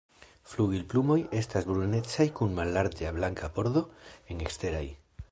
Flugilplumoj estas brunecaj kun mallarĝa blanka bordo en eksteraj.